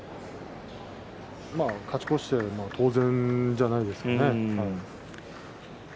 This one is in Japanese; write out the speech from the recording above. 勝ち越して当然じゃないですか。